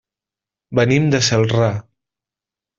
Venim de Celrà.